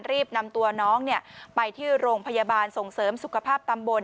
รีบนำตัวน้องไปที่โรงพยาบาลส่งเสริมสุขภาพตำบล